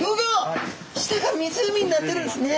下が湖になっているんですね。